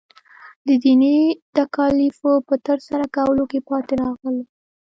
د دیني تکالیفو په ترسره کولو کې پاتې راغلی.